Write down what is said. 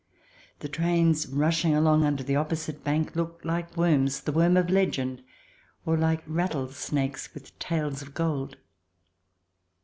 ... The trains rushing along under the opposite bank looked like worms, the worm of legend, or like rattlesnakes with tails of gold.